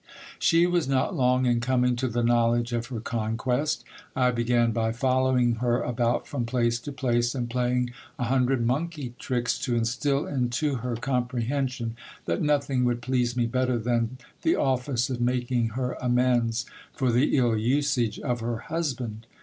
She was not long in coming to the knowledge of her conquest. I began by following her about from place to place, and playing a hundred monkey tricks to instil into her comprehension, that nothing would please me better than the office of making her amends for the ill usage of her husband.